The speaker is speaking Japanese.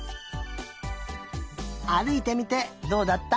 あるいてみてどうだった？